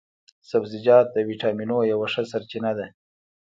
سبزیجات د ویټامینو یوه ښه سرچينه ده